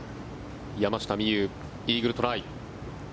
山下美夢有、イーグルトライ。